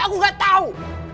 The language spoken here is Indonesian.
aku gak tau